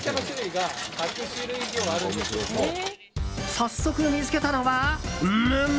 早速、見つけたのはむむ？